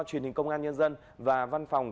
truyền hình công an nhân dân và văn phòng